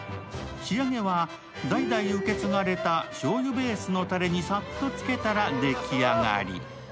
仕上げは代々受け継がれたしょうゆベースのたれにさっとつけたら出来上がり。